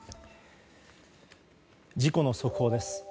事故の速報です。